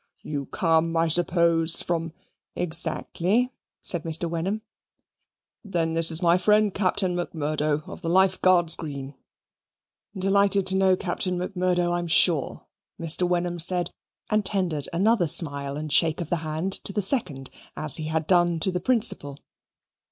"You come, I suppose, from " "Exactly," said Mr. Wenham. "Then this is my friend Captain Macmurdo, of the Life Guards Green." "Delighted to know Captain Macmurdo, I'm sure," Mr. Wenham said and tendered another smile and shake of the hand to the second, as he had done to the principal.